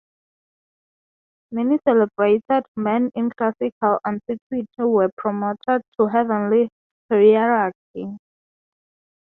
Many celebrated men in classical antiquity were promoted to the heavenly hierarchy.